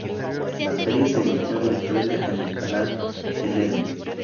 La serie se emitió en Australia en el canal Eleven.